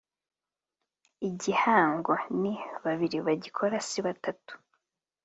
igihango ni babiri bagikora si batatu